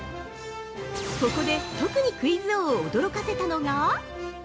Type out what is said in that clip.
ここで特にクイズ王を驚かせたのが。